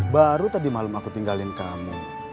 baru tadi malam aku tinggalin kamu